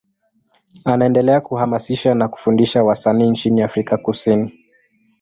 Anaendelea kuhamasisha na kufundisha wasanii nchini Afrika Kusini.